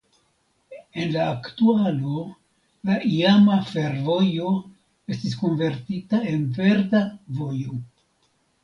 En la aktualo la iama fervojo estis konvertita en verda vojo.